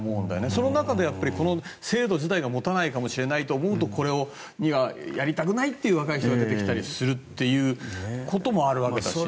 その中でこの制度自体が持たないかもしれないと思うとこれをやりたくないという若い人が出てきたりすることもあるわけだし。